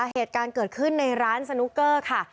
เหตุการณ์เกิดขึ้นในร้านสนุกเกอร์ค่ะ